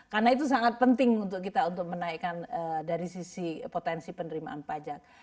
karena itu sangat penting untuk kita untuk menaikkan dari sisi potensi penerimaan pajak